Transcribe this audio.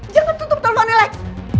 jangan tutup teleponnya lex